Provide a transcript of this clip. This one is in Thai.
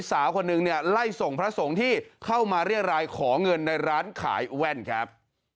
สาวคนนึงเนี่ยไล่ส่งพระสงฆ์ที่เข้ามาเรียรายขอเงินในร้านขายแว่นครับ